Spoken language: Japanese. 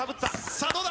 さあどうだ？